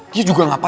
dia juga ngapain